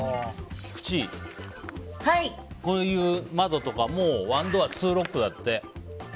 菊地、こういう窓とかもうワンドア・ツーロックだって。